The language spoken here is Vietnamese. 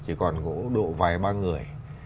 chỉ còn ngỗ độ vài ba người